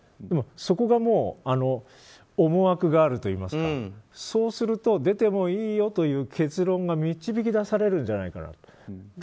そこがもう思惑があるといいますかそうすると、出てもいいよという結論が導き出されるんじゃないかなと。